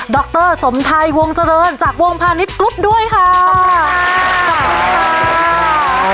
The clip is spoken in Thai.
ดรสมไทยวงเจริญจากวงพาณิชย์กรุ๊ปด้วยค่ะ